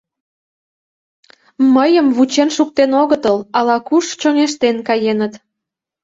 Мыйым вучен шуктен огытыл, ала-куш чоҥештен каеныт.